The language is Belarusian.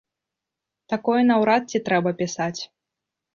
Такое наўрад ці трэба пісаць.